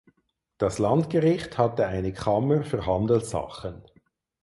Das Landgericht hatte eine Kammer für Handelssachen.